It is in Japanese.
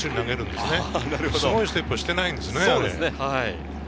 すごいステップはしてないですね。